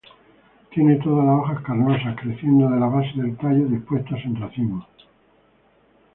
Tiene todas las hojas carnosas creciendo de la base del tallo, dispuestas en racimos.